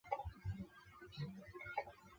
穆瓦西。